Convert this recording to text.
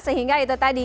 sehingga itu tadi